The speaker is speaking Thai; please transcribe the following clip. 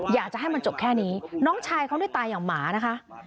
อยากจะให้มันจบแค่นี้น้องชายเขาได้ตายอย่างหมานะคะ